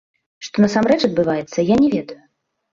Што насамрэч адбываецца, я не ведаю.